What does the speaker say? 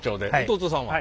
弟さんは？